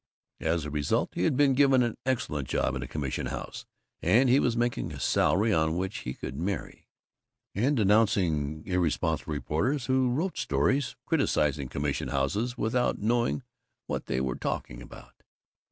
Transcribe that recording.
As a result he had been given an excellent job in a commission house, and he was making a salary on which he could marry, and denouncing irresponsible reporters who wrote stories criticizing commission houses without knowing what they were talking about.